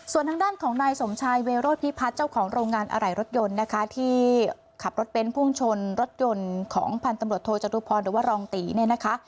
ส่วนทางด้านของนายสมชายเวโรธพิพัฒน์เจ้าของโรงงานอะไหล่รถยนต์นะคะที่ขับรถเบ้นพุ่งชนรถยนต์ของพันธุ์ตำรวจโทจรุพรหรือว่ารองตีเนี่ยนะคะ